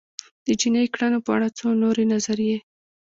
د جنایي کړنو په اړه څو نورې نظریې